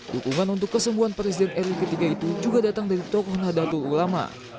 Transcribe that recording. dukungan untuk kesembuhan presiden ri ketiga itu juga datang dari tokoh nahdlatul ulama